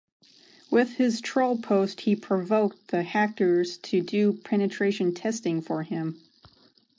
With his troll post he provoked the hackers to do penetration testing for him.